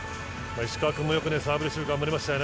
石川君もサーブレシーブを頑張りましたね。